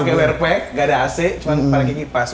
pake wear pack gak ada ac cuma ada kipas